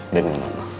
udah minum mak